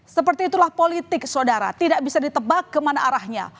seperti itulah politik saudara tidak bisa ditebak kemana arahnya